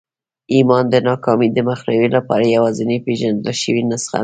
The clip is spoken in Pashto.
ايمان د ناکامۍ د مخنيوي لپاره يوازېنۍ پېژندل شوې نسخه ده.